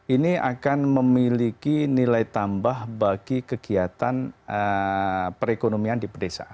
ini akan memiliki nilai tambah bagi kegiatan perekonomian di pedesaan